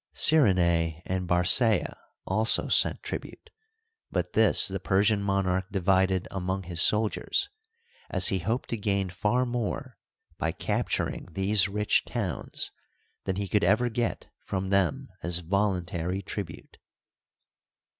Cjrrenae and Bar caea also sent tribute, but this the Persian monarch di vide among his soldiers, as he hoped to gain far more by capturing these rich towns than he could ever get from them as voluntary tribute.